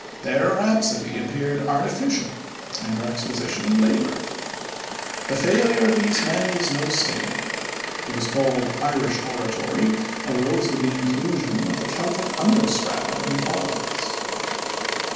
Their rhapsody appeared artificial, and their exposition labored. The failure of these men was no stigma. What is called "Irish oratory" arose with the inclusion of the Celtic under strata in politics.